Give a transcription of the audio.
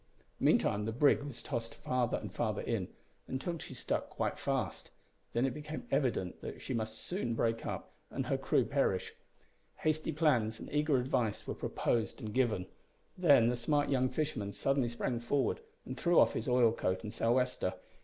Meantime the brig was tossed farther and farther in, until she stuck quite fast. Then it became evident that she must soon break up, and her crew perish. Hasty plans and eager advice were proposed and given. Then the smart young fisherman suddenly sprang forward, and threw off his oil coat and sou' wester.